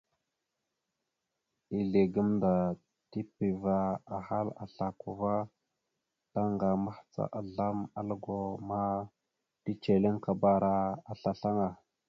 Izle gamnda tipiva ahal a slako ava, taŋga mahəca azlam algo ma, teceliŋ akabara aslasl aŋa.